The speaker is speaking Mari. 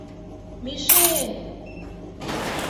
Мишель!